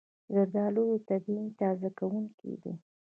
زردالو طبیعي تازه کوونکی دی.